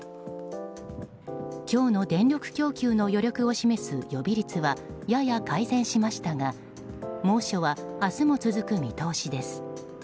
今日の電力供給の余力を示す予備率はやや改善しましたが猛暑は明日も続く見通しです。